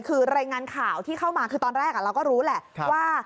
คือรายงานข่าวที่เข้ามาคือตอนแรกเราก็รู้แหละว่า